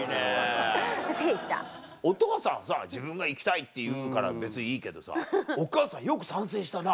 お父さんはさ自分が行きたいっていうから別にいいけどさお母さんよく賛成したな。